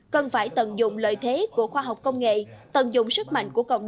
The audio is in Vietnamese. cần phải tận dụng lợi thế của khoa học công nghệ tận dụng sức mạnh của công nghệ